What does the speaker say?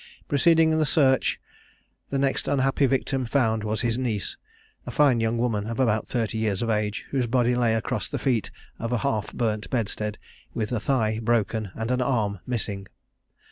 Proceeding in the search, the next unhappy victim found was his niece, a fine young woman of about thirty years of age, whose body lay across the feet of a half burnt bedstead, with a thigh broken, and an arm missing.